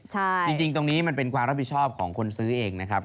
จริงตรงนี้มันเป็นความรับผิดชอบของคนซื้อเองนะครับ